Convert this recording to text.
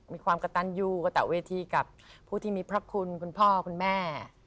มีความกระตันยูกระตะเวทีกับผู้ที่มีพระคุณคุณพ่อคุณแม่